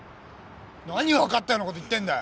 何分かったようなこと言ってんだ！